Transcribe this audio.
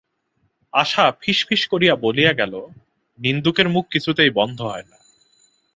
আশা ফিসফিস করিয়া বলিয়া গেল, নিন্দুকের মুখ কিছুতেই বন্ধ হয় না।